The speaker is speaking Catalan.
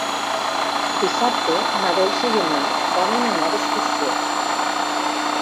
Dissabte na Dolça i en Marc volen anar d'excursió.